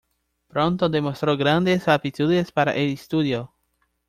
Pronto demostró grandes aptitudes para el estudio.